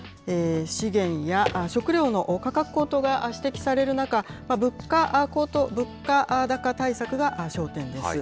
資源や食料の価格高騰が指摘される中、物価高対策が焦点です。